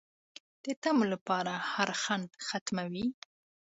د طمعو لپاره هر خنډ ختموي